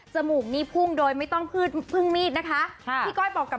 จมูกนี่พุ่งโดยไม่ต้องพึ่งมีดนะคะ